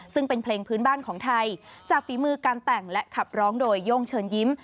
ซึ่งเป็นเพลงพื้นบ้านของไทยจากฝีมือการแต่งและขับร้องโดยโย่งเชิญยิ้ม